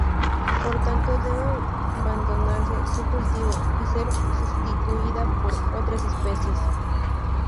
Por tanto debe abandonarse su cultivo y ser sustituida por otras especies.